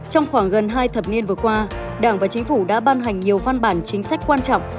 trong khoảng gần hai thập niên vừa qua đảng và chính phủ đã ban hành nhiều văn bản chính sách quan trọng